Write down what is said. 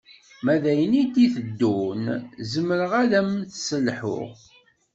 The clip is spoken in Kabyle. Ma d ayen i d-iteddun zemreɣ ad am-tesselhuɣ